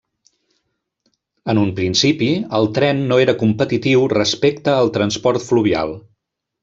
En un principi, el tren no era competitiu respecte al transport fluvial.